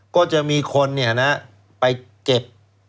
ก็จะมีคนเนี่ยนะไปเก็บ